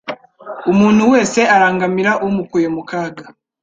Umuntu wese arangamira umukuye mu kaga.